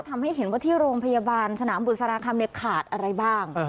ทำให้เห็นว่าที่โรงพยาบาลสนามบุษราคำขาดอะไรบ้าง